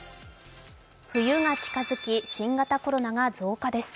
冬が近づき新型コロナが増加です。